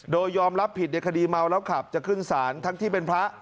โดยยอมรับผิดในคดีเมาแล้วขับจะขึ้นศาลทั้งที่เป็นพระ